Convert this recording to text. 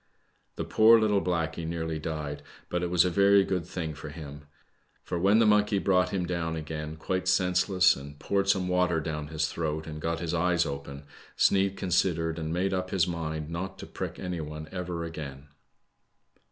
The poor little blackey nearly died, but it was a very good thing for him. Fpr, when the monkey brought him down again, quite senseless, and poured some water down his throat and got his eye^ open, Sneid considered, and made up his mind not to prick any one ever again.